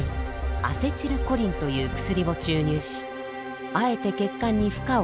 アセチルコリンという薬を注入しあえて血管に負荷をかけます。